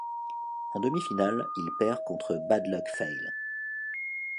En demi-finale il perd contre Bad Luck Fale.